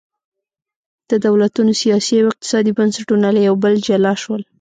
د دولتونو سیاسي او اقتصادي بنسټونه له یو بل جلا شول.